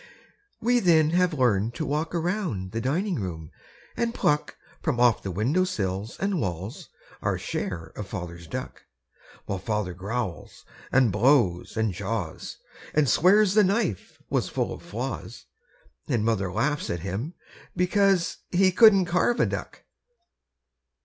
We then have learned to walk around the dining room and pluck From off the windowsills and walls Our share of Father's duck While Father growls and blows and jaws And swears the knife was full of flaws And Mother laughs at him because He couldn't carve a duck.